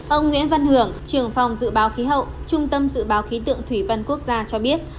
ông nguyễn văn hưởng trưởng phòng dự báo khí hậu trung tâm dự báo khí tượng thủy văn quốc gia cho biết